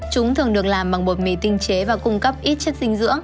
chúng thường được làm bằng bột mì tinh chế và cung cấp ít chất dinh dưỡng